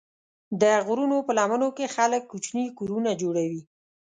د غرونو په لمنو کې خلک کوچني کورونه جوړوي.